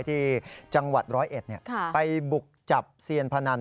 ที่จังหวัดร้อยเอ็ดไปบุกจับเซียนพนัน